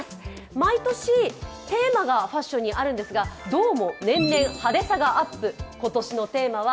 毎年、テーマがファッションにあるんですがどうも、年々派手さがアップ。